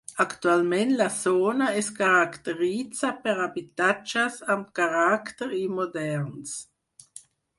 Actualment la zona es caracteritza per habitatges amb caràcter i moderns.